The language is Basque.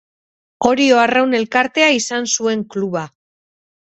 Orio Arraun Elkartea izan zuen kluba.